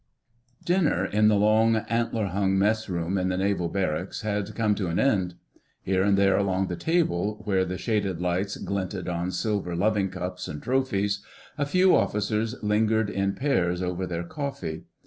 "* Dinner in the long, antler hung mess room of the Naval Barracks had come to an end. Here and there along the table, where the shaded lights glinted on silver loving cups and trophies, a few officers lingered in pairs over their coffee.